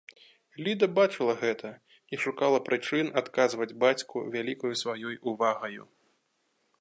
Ліда бачыла гэта і шукала прычын адказваць бацьку вялікаю сваёй увагаю.